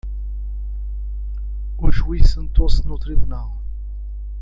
O juiz sentou-se no tribunal.